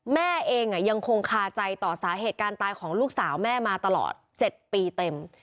แม่เองยังคงคาใจต่อสาเหตุการณ์ตายของลูกสาวแม่มาตลอด๗ปีเต็ม